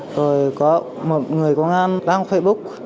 rồi có một người công an đăng facebook